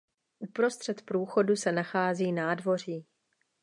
Uprostřed průchodu se nachází nádvoří.